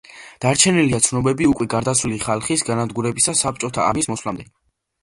დარჩენილია ცნობები უკვე გარდაცვლილი ხალხის განადგურებისა საბჭოთა არმიის მოსვლამდე.